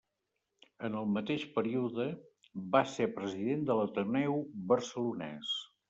En el mateix període va ser president de l'Ateneu Barcelonès.